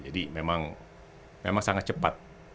jadi memang sangat cepat